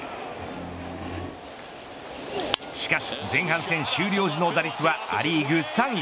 しかし前半戦終了時の打率はア・リーグ３位。